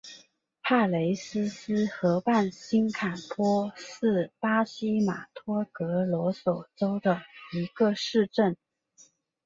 帕雷西斯河畔新坎波是巴西马托格罗索州的一个市镇。